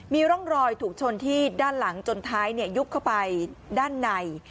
มีร่องรอยถูกชนที่ด้านหลังจนท้ายยุบเข้าไปด้านใน